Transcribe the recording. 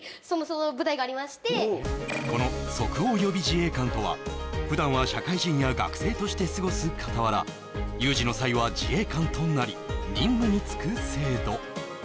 部隊がありましてこの即応予備自衛官とは普段は社会人や学生として過ごすかたわら有事の際は自衛官となり任務に就く制度